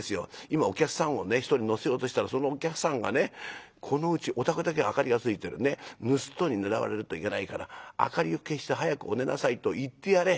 今お客さんをね１人乗せようとしたらそのお客さんがね『このうちお宅だけ明かりがついてるんでぬすっとに狙われるといけないから明かりを消して早くお寝なさいと言ってやれ。